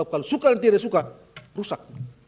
kalau suka dan tidak suka rusak